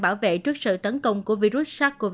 bảo vệ trước sự tấn công của virus sars cov hai